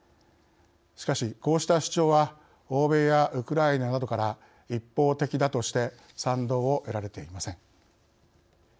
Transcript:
しかし、こうした主張は欧米やウクライナなどから一方的だとして賛同を得られていません。